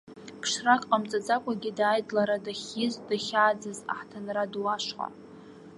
Ԥшрак ҟамҵаӡакәагьы, дааит лара дахьиз, дахьааӡаз аҳҭынра ду ашҟа.